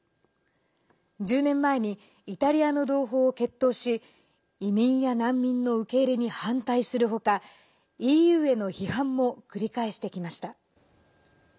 １０年前にイタリアの同胞を結党し移民や難民の受け入れに反対する他ＥＵへの批判も繰り返してきました。